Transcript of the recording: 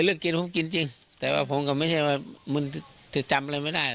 กินผมกินจริงแต่ว่าผมก็ไม่ใช่ว่ามึงจะจำอะไรไม่ได้